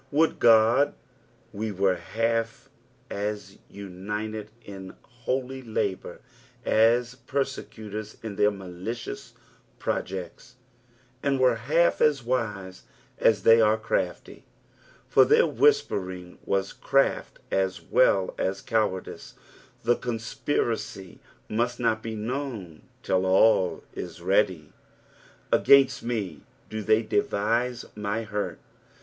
Would Qod we were half as united ia holy labour as persecutors in thtir malicious projects, and were half as wise as they are crafty, for tlieir whispering was craft as well «s cowardice, the conspiracy must not be known till all is ready. " Againut ■M do they devite my hurt."